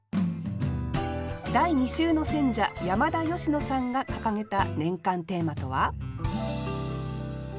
第２週の選者山田佳乃さんが掲げた年間テーマとは？